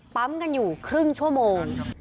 ปั๊มกันอยู่ครึ่งชั่วโมง